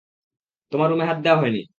তোমার রুমে হাত দেওয়া হয়নি।